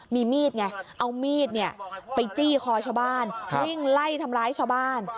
มีมีดไงเอามีดไปจี้คอชาวบ้านวิ่งไล่ทำร้ายชาวบ้าน